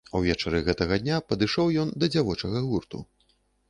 Увечары гэтага дня падышоў ён да дзявочага гурту.